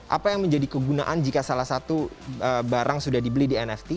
apa yang menjadi kegunaan jika salah satu barang sudah dibeli di nft